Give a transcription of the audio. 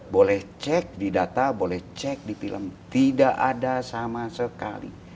boleh cek di data boleh cek di film tidak ada sama sekali